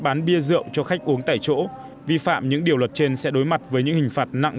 bán bia rượu cho khách uống tại chỗ vi phạm những điều luật trên sẽ đối mặt với những hình phạt nặng